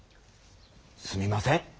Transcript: すみません。